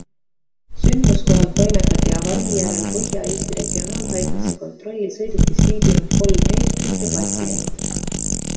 Sündmuskohalt toimetati avarii järel Põhja-Eesti regionaalhaiglasse kontrolli sõidukis viibinud kolm meedikut ja patsient.